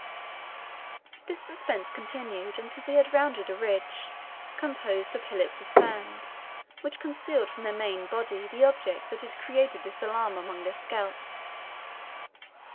This suspense continued until they had rounded a ridge, composed of hillocks of sand, which concealed from their main body the object that had created this alarm among their scouts.